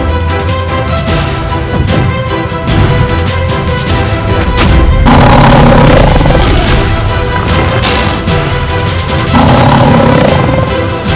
jangan k give up